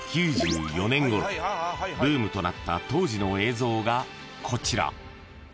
［ブームとなった当時の映像がこちら］